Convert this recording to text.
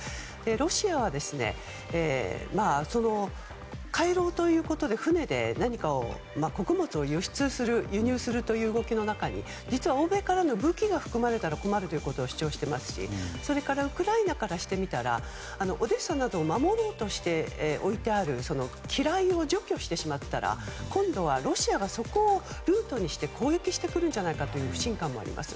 ロシアは回廊ということで船で何かを穀物を輸出する輸入するという動きの中に実は欧米からの武器が含まれたら困るということを主張していますし、それからウクライナからしてみればオデーサなどを守ろうとして置いてある機雷を除去してしまったら今度はロシアがそこをルートにして攻撃してくるんじゃないかという不信感もあります。